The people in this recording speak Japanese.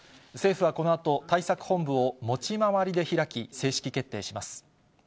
政府はこのあと、対策本部を持ち回りで開き、正式決定します。